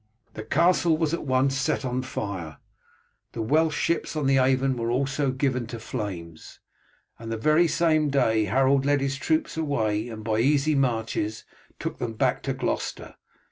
The castle was at once set on fire, the Welsh ships on the Avon were also given to the flames, and the very same day Harold led his troops away and by easy marches took them back to Gloucester.